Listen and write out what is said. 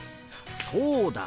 そうだ！